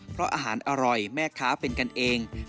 เพราะอาหารอร่อยแม่ค้าเป็นกันเอง